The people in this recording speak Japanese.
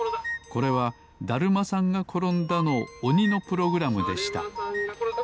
これは「だるまさんがころんだ」のおにのプログラムでしただるまさんがころんだ！